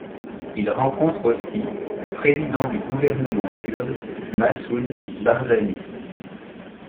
Il rencontre aussi le président du gouvernement kurde Massoud Barzani.